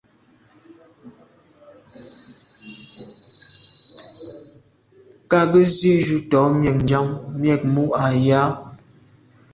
Kâ gə́ zí’jú tɔ̌ míɛ̂nʤám mjɛ̂k mú à yá.